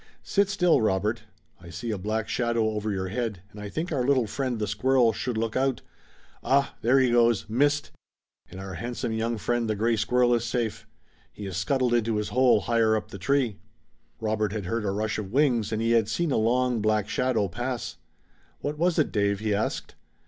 Sit still, Robert! I see a black shadow over your head, and I think our little friend, the squirrel, should look out. Ah, there he goes! Missed! And our handsome young friend, the gray squirrel, is safe! He has scuttled into his hole higher up the tree!" Robert had heard a rush of wings and he had seen a long black shadow pass. "What was it, Dave?" he asked.